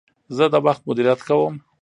زه د وخت مدیریت کوم.